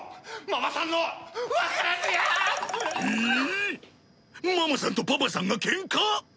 ママさんとパパさんがケンカ！？